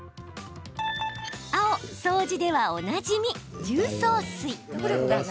青・掃除ではおなじみ、重曹水。